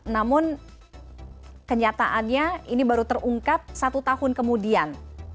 namun kenyataannya ini baru terungkap satu tahun kemudian